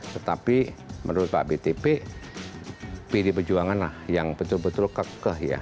tetapi menurut pak btp pdi perjuangan lah yang betul betul kekeh ya